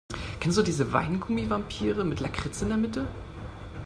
Kennst du diese Weingummi-Vampire mit Lakritz in der Mitte?